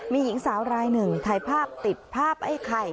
มีหญิงสาวรายหนึ่งถ่ายภาพติดภาพไอ้ไข่